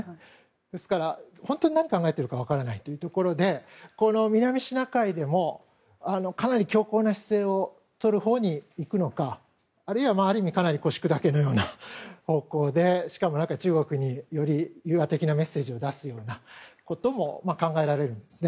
ですから本当に何を考えているか分からないというところでこの南シナ海でも、かなり強硬な姿勢をとるほうにいくのかあるいはかなり腰砕けのような方向でしかも、中国により融和的なメッセージを出すようなことも考えられるんですね。